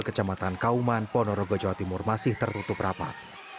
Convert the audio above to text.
kecamatan kauman ponorogo jawa timur masih tertutup rapat